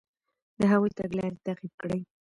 د هغوی تګلارې تعقیب کړئ.